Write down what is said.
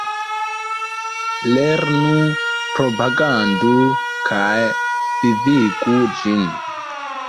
Lernu, propagandu kaj vivigu ĝin!